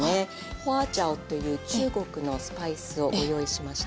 花椒という中国のスパイスをご用意しました。